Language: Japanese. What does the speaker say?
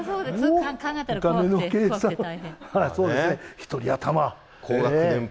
１人頭。